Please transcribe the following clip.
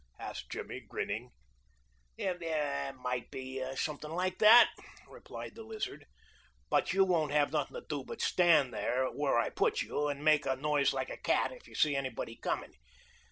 asked Jimmy, grinning. "It might be something like that," replied the Lizard; "but you won't have nothin' to do but stand where I put you and make a noise like a cat if you see anybody coming.